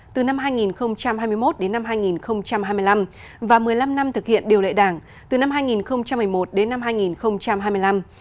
từ năm hai nghìn hai mươi một đến năm hai nghìn hai mươi năm và một mươi năm năm thực hiện điều lệ đảng từ năm hai nghìn một mươi một đến năm hai nghìn hai mươi năm